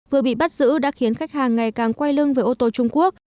vừa bị bắt giữ đã khiến khách hàng ngày càng quay lưng với ô tô trung quốc